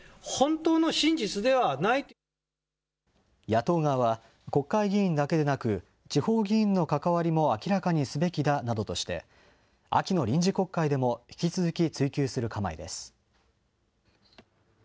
野党側は、国会議員だけでなく、地方議員の関わりも明らかにすべきだなどとして、秋の臨時国会でも引き続き、追及する構えです。